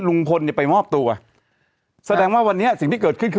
ลุงพลเนี่ยไปมอบตัวแสดงว่าวันนี้สิ่งที่เกิดขึ้นคือ